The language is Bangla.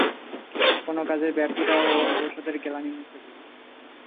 কোনো কাজে ব্যর্থতা ও অবসাদের গ্লানি মুছে ফেলে।